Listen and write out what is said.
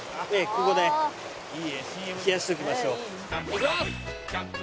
ここで冷やしときましょう。